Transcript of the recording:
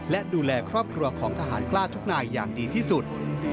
และดูแลครอบครัวของทหารกล้าทุกนายอย่างดีที่สุด